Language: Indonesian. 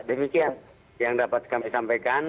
demikian yang dapat kami sampaikan